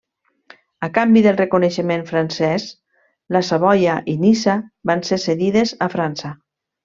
A canvi del reconeixement francès la Savoia i Niça van ser cedides a França.